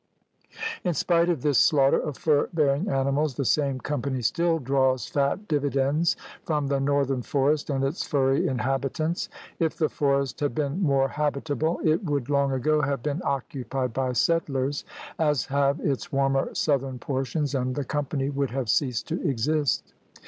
In spite of this slaughter of fur bearing animals, the same Company still draws fat dividends from the northern forest and its furry inhabitants. If the forest had been more habitable, it would long ago have been occupied by settlers, as have its warmer, southern portions, and the Company would have ceased to exist.